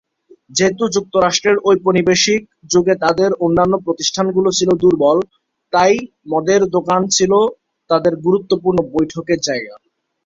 যেহেতু যুক্তরাস্ট্রের ঔপনিবেশিক যুগে তাদের অন্যান্য প্রতিষ্ঠানগুলো ছিলো দুর্বল তাই, মদের দোকান ছিলো তাদের গুরুত্বপূর্ণ বৈঠকের জায়গা।